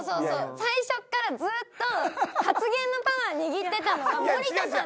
最初っからずっと発言のパワー握ってたのは森田さん。